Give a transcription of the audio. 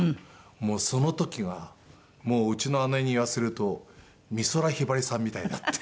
もうその時はもううちの姉に言わせると美空ひばりさんみたいだって。